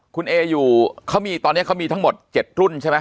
คุณเออยู่เขามีตอนนี้เขามีทั้งหมด๗รุ่นใช่ไหม